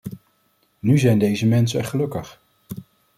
Nu zijn deze mensen gelukkig.